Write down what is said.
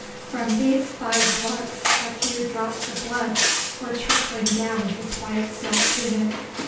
From these five hooks a few drops of blood were trickling down his white silk tunic.